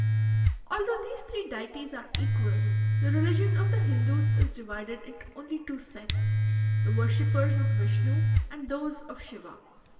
"Although these three deities are equal, the religion of the Hindoos is divided into only two sects the worshippers of Vishnu and those of Shiva.